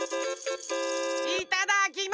いただきま。